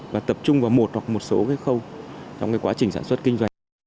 và tập trung vào một hoặc một số cái khâu trong cái quá trình sản xuất kinh doanh